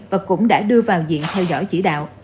và cũng đã đưa vào diện theo dõi chỉ đạo